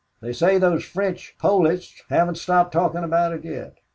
They say those French poilus haven't stopped talking about it yet.